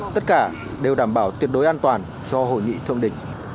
tất cả đều đảm bảo tuyệt đối an toàn cho hội nghị